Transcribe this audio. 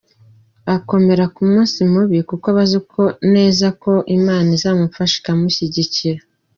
Akomera ku munsi mubi kuko aba azi neza ko Imana izamufasha ikamushyigikira,.